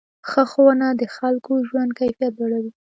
ښه ښوونه د خلکو ژوند کیفیت لوړوي.